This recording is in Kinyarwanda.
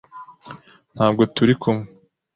Ntabwo turi kumwe.